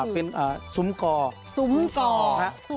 เป็นสุมกร